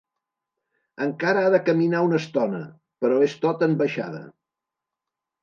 Encara ha de caminar una estona, però és tot en baixada.